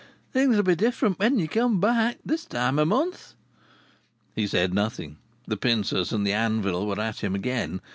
"Things'll be different when ye come back, this time a month." He said nothing. The pincers and the anvil were at him again.